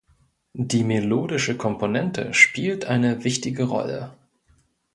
Die melodische Komponente spielt eine wichtige Rolle.